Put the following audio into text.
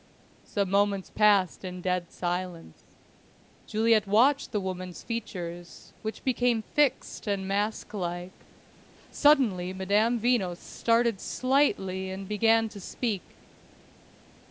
Some moments passed in dead silence. Juliet watched the woman's features, which became fixed and masklike. Suddenly Madame Veno started slightly and began to speak.